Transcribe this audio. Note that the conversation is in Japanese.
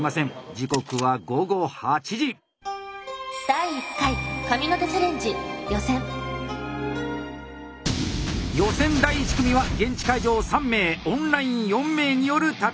時刻は予選第１組は現地会場３名オンライン４名による戦い。